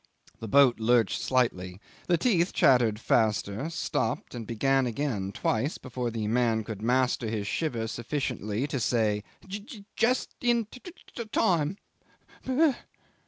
The boat lurched slightly. The teeth chattered faster, stopped, and began again twice before the man could master his shiver sufficiently to say, "Ju ju st in ti ti me.